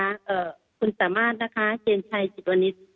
ค่ะก่อนอื่นนะคะที่ฉันต้องขอกลับขอบคุณนะคะคุณสมาธินะคะเจมชัยจิตวนิส